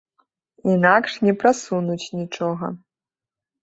Інакш не прасунуць нічога.